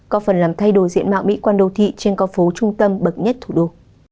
có phần làm thay đổi diện mạo mỹ quan đô thị trên con phố trung tâm bậc nhất thủ đô